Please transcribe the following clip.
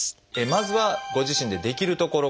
まずはご自身でできるところから。